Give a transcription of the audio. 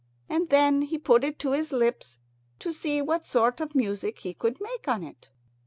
And then he put it to his lips to see what sort of music he could make on it.